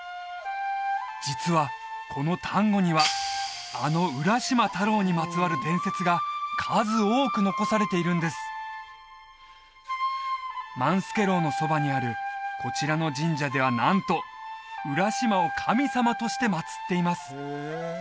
実はこの丹後にはあの浦島太郎にまつわる伝説が数多く残されているんです万助楼のそばにあるこちらの神社ではなんと浦島を神様として祭っています